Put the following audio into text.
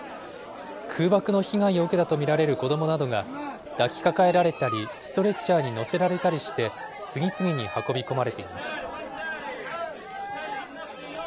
空爆の被害を受けたと見られる子どもなどが、抱きかかえられたり、ストレッチャーに乗せられたりして、次々に運び込まれています。